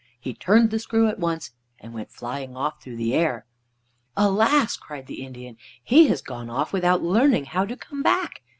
He turned the screw at once, and went flying off through the air. "Alas!" cried the Indian, "he has gone off without learning how to come back.